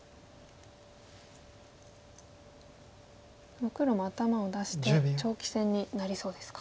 もう黒も頭を出して長期戦になりそうですか。